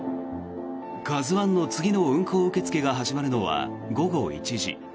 「ＫＡＺＵ１」の次の運航受け付けが始まるのは午後１時。